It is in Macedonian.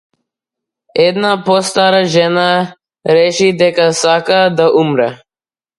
Една постара жена реши дека сака да умре.